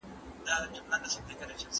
زه اوس د ملګري پیغام ته ځواب ورکوم.